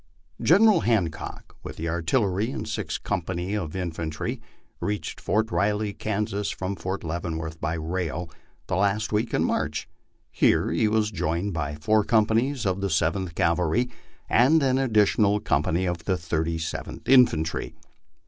General Hancock, with the artillery and six companies of infantry, reached Fort Riley, Kansas, from Fort Leaven worth by rail the last week in March; here he was joined by four companies of the Seventh Cavalry and an additional company of the Thirty seventh Infantry.